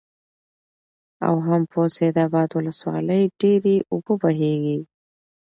او هم په سيدآباد ولسوالۍ ډېرې اوبه بهيږي،